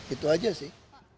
itu aja sih